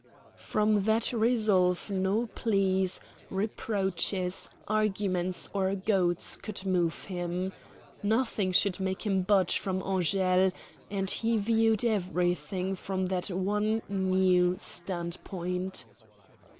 From that resolve no pleas, reproaches, arguments, or goads could move him. Nothing should make him budge from Angele; and he viewed everything from that one new standpoint.